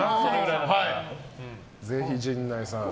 ぜひ陣内さん。